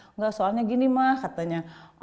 enggak soalnya gini mah katanya